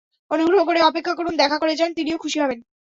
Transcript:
অনুগ্রহ করে, অপেক্ষা করুন দেখা করে যান, তিনিও খুসি হবেন।